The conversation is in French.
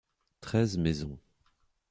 Treize maisons.